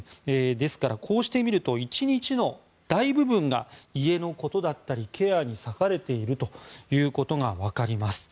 ですからこうして見ると１日の大部分が家のことだったりケアに割かれているということがわかります。